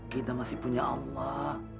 kita masih punya allah